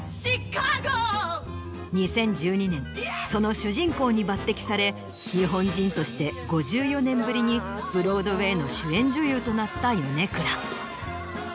２０１２年その主人公に抜てきされ日本人として５４年ぶりにブロードウェイの主演女優となった米倉。